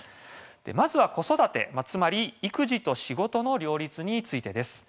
まずは子育て、つまり育児と仕事の両立についてです。